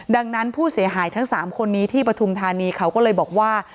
ดังนั้นผู้เสียหายทั้ง๓คนนี้ที่ปฐุมธานีเขาก็เลยบอกว่า